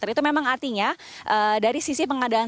itu memang artinya dari sisi pengadaan